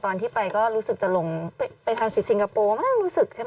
ตอนที่ไปก็รู้สึกจะลงไปทานสีสิงคโปร์ไม่ต้องรู้สึกใช่ไหม